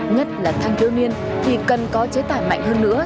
nhất là thăng đưa niên thì cần có chế tài mạnh hơn nữa